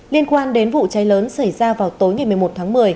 liên quan đến vụ cháy lớn xảy ra vào tối ngày một mươi một tháng một mươi